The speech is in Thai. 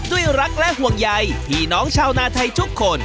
ด้วยรักและห่วงใยพี่น้องชาวนาไทยทุกคน